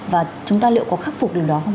và chúng ta liệu có khắc phục điều đó không ạ